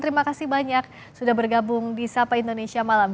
terima kasih banyak sudah bergabung di sapa indonesia malam